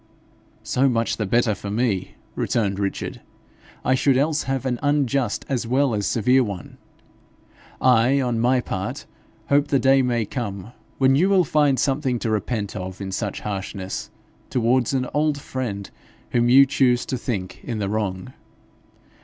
'So much the better for me!' returned Richard; 'I should else have an unjust as well as severe one. I, on my part, hope the day may come when you will find something to repent of in such harshness towards an old friend whom you choose to think in the wrong.'